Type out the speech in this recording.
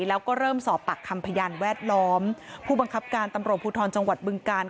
แล้วก็เริ่มสอบปากคำพยานแวดล้อมผู้บังคับการตำรวจภูทรจังหวัดบึงกาล